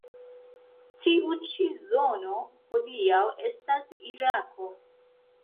Tiu ĉi zono hodiaŭ estas Irako.